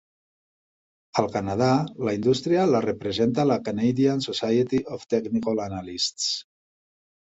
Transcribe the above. Al Canadà, la indústria la representa la Canadian Society of Technical Analysts.